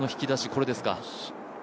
これですか。